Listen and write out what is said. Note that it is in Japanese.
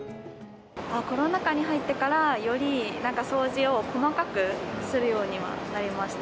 コロナ禍に入ってから、より、なんか掃除を細かくするようにはなりました。